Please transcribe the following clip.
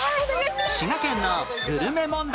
滋賀県のグルメ問題